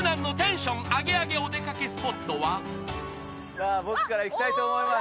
じゃあ僕からいきたいと思います